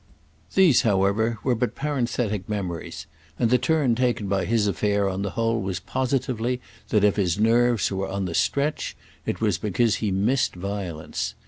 These, however, were but parenthetic memories, and the turn taken by his affair on the whole was positively that if his nerves were on the stretch it was because he missed violence.